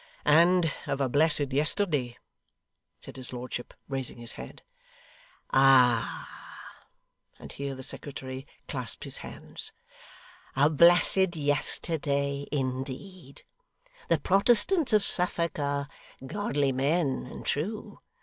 'And of a blessed yesterday,' said his lordship, raising his head. 'Ah!' and here the secretary clasped his hands 'a blessed yesterday indeed! The Protestants of Suffolk are godly men and true.